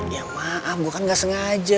ya maaf gue kan gak sengaja